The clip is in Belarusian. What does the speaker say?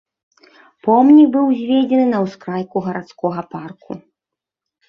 Помнік быў узведзены на ўскрайку гарадскога парку.